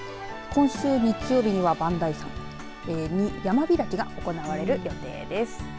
今週、日曜日には磐梯山山開きが行われる予定です。